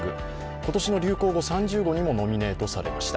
今年の流行語３０語にもノミネートされました。